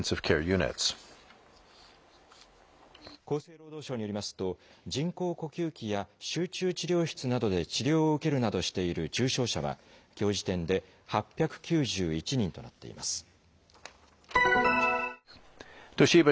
厚生労働省によりますと、人工呼吸器や集中治療室などで治療を受けるなどしている重症者はきょう時点で８９１人となっています。